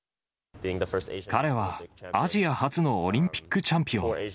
彼はアジア初のオリンピックチャンピオン。